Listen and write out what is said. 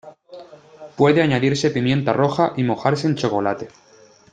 Puede añadirse pimienta roja y mojarse en chocolate.